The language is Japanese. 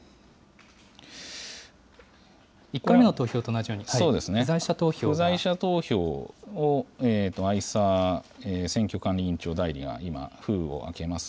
１回目の投票と同じように、不在不在者投票を、逢沢選挙管理委員長代理が今、封を開けます。